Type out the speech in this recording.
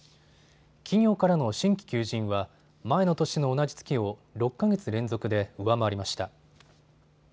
企業からの新規求人は前の年の同じ月を６か月連続で上回りました。